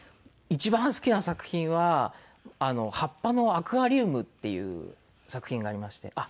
一番好きな作品は『葉っぱのアクアリウム』っていう作品がありまして。